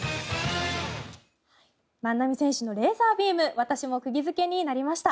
万波選手のレーザービーム私も釘付けになりました。